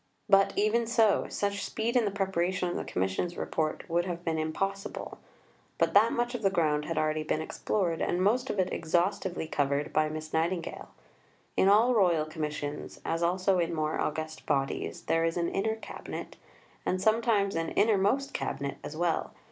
But even so, such speed in the preparation of the Commission's Report would have been impossible, but that much of the ground had been already explored, and most of it exhaustively covered, by Miss Nightingale. In all Royal Commissions, as also in more august bodies, there is an Inner Cabinet, and sometimes an Innermost Cabinet as well.